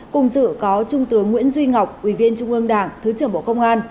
cùng dự có trung tướng nguyễn duy ngọc ủy viên trung ương đảng thứ trưởng bộ công an